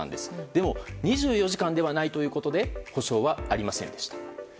でも、２４時間ではないということで補償はありませんでした。